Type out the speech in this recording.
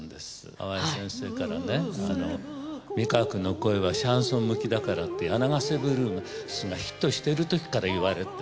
淡谷先生からね美川くんの声はシャンソン向きだからって『柳ヶ瀬ブルース』がヒットしてるときから言われて。